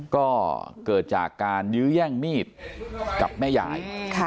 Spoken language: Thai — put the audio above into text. ก็เกิดจากการยื้อแย่งมีดกับแม่ยาย